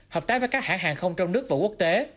hợp tác với các hãng hàng không trong nước và quốc tế